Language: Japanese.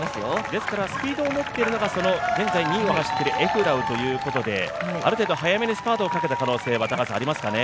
ですからスピードを持ってるのが現在２位を走るエフラウということである程度、早めにスパートをかけた可能性はありますかね？